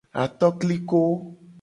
Atokliko.